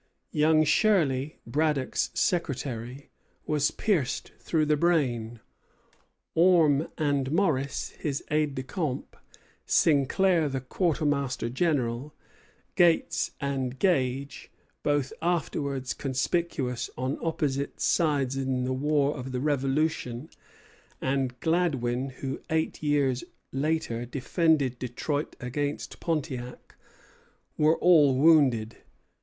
Young Shirley, Braddock's secretary, was pierced through the brain. Orme and Morris, his aides de camp, Sinclair, the quartermaster general, Gates and Gage, both afterwards conspicuous on opposite sides in the War of the Revolution, and Gladwin, who, eight years later, defended Detroit against Pontiac, were all wounded.